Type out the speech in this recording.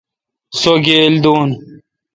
سو گیل دو۔